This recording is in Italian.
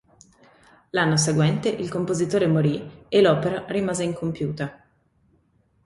L'anno seguente il compositore morì e l'opera rimase incompiuta.